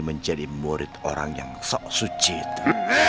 menjadi murid orang yang sok suci itu